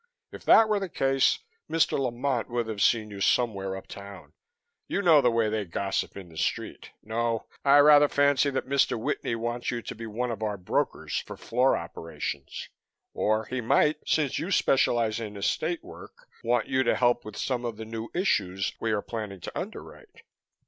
"If that were the case, Mr. Lamont would have seen you somewhere uptown. You know the way they gossip in the Street. No, I rather fancy that Mr. Whitney wants you to be one of our brokers for floor operations. Or, he might, since you specialize in estate work, want you to help with some of the new issues we are planning to underwrite."